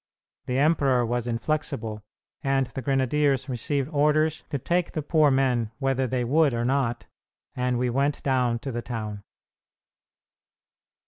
The emperor was inflexible, and the grenadiers received orders to take the poor men, whether they would or not, and we went down to the town.